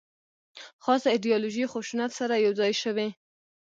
خاصه ایدیالوژي خشونت سره یو ځای شوې.